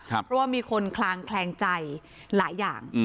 เพราะว่ามีคนคลางแคลงใจหลายอย่าง